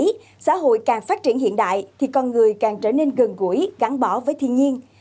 nếu xã hội càng phát triển hiện đại thì con người càng trở nên gần gũi gắn bỏ với thiên nhiên